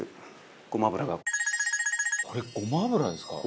これごま油ですか？